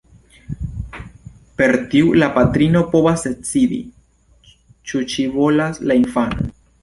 Per tiu la patrino povas decidi, ĉu ŝi volas la infanon.